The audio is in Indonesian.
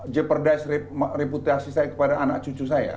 jeopardize reputasi saya kepada anak cucu saya